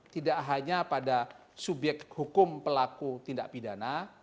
tidak hanya pada subyek hukum pelaku tindak pidana